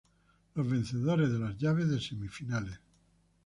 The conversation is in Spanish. Los vencedores de las llaves de semifinales.